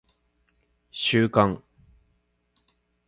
収監